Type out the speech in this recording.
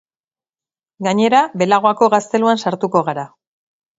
Gainera, beloagako gazteluan sartuko gara.